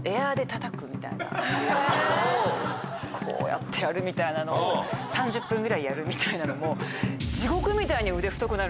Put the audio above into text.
こうやってやるみたいなのを３０分ぐらいやるみたいなのも。